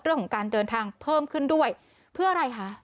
เรื่องของการเดินทางเพิ่มขึ้นด้วยเพื่ออะไรคะ